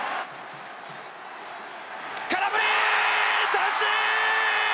空振り三振！